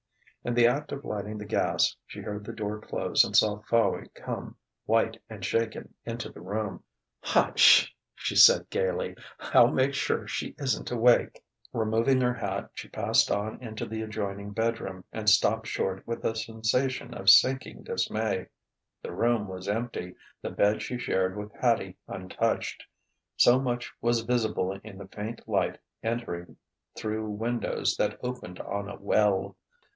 In the act of lighting the gas, she heard the door close and saw Fowey come, white and shaken, into the room. "Hush!" she said gaily. "I'll make sure she isn't awake " Removing her hat, she passed on into the adjoining bedroom, and stopped short with a sensation of sinking dismay. The room was empty, the bed she shared with Hattie untouched. So much was visible in the faint light entering through windows that opened on a well.